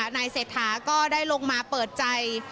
นายเศรษฐาก็ได้ลงมาเปิดใจ